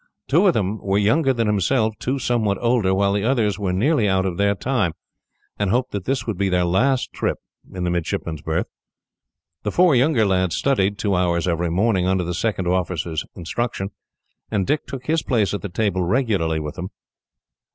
Two of them were younger than himself, two somewhat older, while the others were nearly out of their time, and hoped that this would be their last trip in the midshipmen's berth. The four younger lads studied, two hours every morning, under the second officer's instruction; and Dick took his place at the table regularly with them.